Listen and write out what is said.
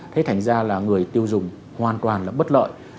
thế thành ra là người tiêu dùng hoàn toàn là bất lợi